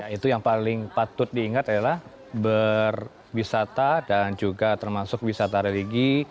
itu yang paling patut diingat adalah berwisata dan juga termasuk wisata religi